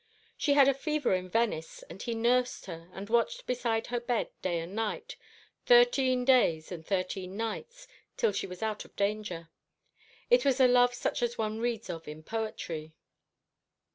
She had a fever in Venice, and he nursed her, and watched beside her bed day and night thirteen days and thirteen nights till she was out of danger. It was a love such as one reads of in poetry."